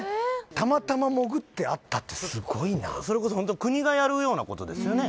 たまたま潜ってあったってすごいなそれこそホント国がやるようなことですよね